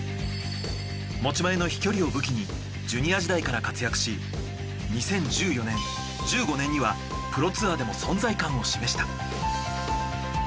持ち前の飛距離を武器にジュニア時代から活躍し２０１４年１５年にはプロツアーでも存在感を示した。